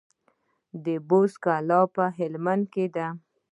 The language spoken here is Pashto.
د بست کلا په هلمند کې ده